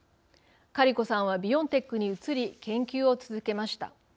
カリコさんはビオンテックに移り研究を続けました。